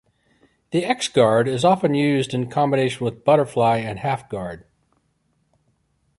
The x-guard is often used in combination with butterfly and half guard.